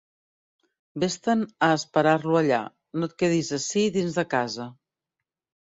Vés-te'n a esperar-lo allà, no et quedes ací dins de casa.